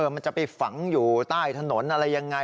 มันจะไปฝังอยู่ใต้ถนนอะไรยังไง